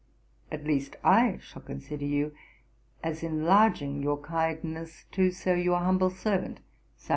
At least I shall consider you as enlarging your kindness to, Sir, 'Your humble servant, 'SAM.